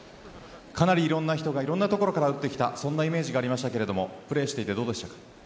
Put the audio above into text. かなりいろんな人がいろんな所から打ってきたイメージがありましたがプレーしていてどうでしたか？